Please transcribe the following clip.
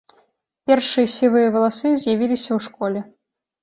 Першыя сівыя валасы з'явіліся ў школе.